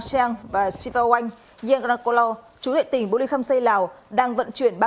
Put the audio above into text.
shang và siva wang giang rangkolo chú tệ tỉnh bô lê khâm xây lào đang vận chuyển